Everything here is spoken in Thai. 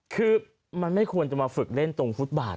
คือมันไม่ควรจะมาฝึกเล่นตรงฟุตบาท